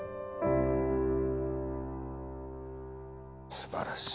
すばらしい。